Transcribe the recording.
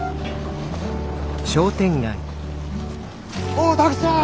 ・おお拓ちゃん！